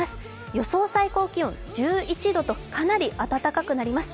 予想最高気温１１度とかなり暖かくなります。